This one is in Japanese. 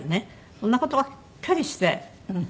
そんな事ばっかりして。